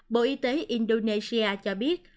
bộ y tế indonesia cho biết